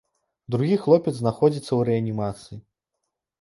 Другі хлопец знаходзіцца ў рэанімацыі.